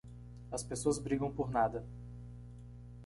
As pessoas brigam por nada.